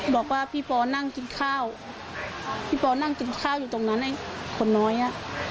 บอกว่าพี่ปอนั่งกินข้าวพี่ปอนั่งกินข้าวอยู่ตรงนั้นไอ้คนน้อยอ่ะ